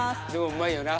うまいよな？